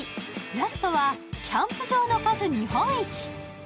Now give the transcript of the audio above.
ラストは、キャンプ場の数日本一。